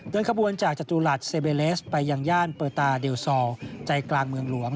ขบวนจากจตุรัสเซเบเลสไปยังย่านเปอร์ตาเดลซอลใจกลางเมืองหลวง